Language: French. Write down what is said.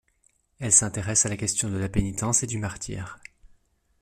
Elle s'intéresse à la question de la pénitence et du martyre.